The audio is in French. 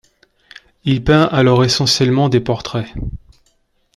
Il peint alors essentiellement des portraits.